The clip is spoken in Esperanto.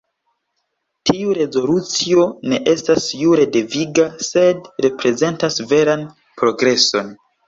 Tiu rezolucio ne estas jure deviga, sed reprezentas veran progreson.